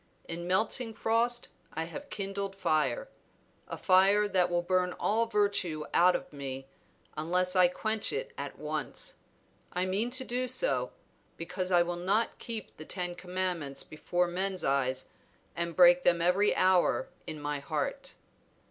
In melting frost I have kindled fire; a fire that will burn all virtue out of me unless I quench it at once. I mean to do so, because I will not keep the ten commandments before men's eyes and break them every hour in my heart."